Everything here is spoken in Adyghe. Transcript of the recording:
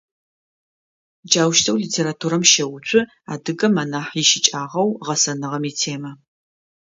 Джаущтэу литературэм щэуцу адыгэм анахь ищыкӏагъэу-гъэсэныгъэм итемэ.